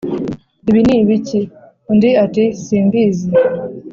ibi ni ibiki?» Undi ati « simbizi.»